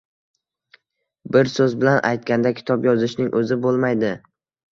Bir so‘z bilan aytganda, kitob yozishning o‘zi bo‘lmaydi.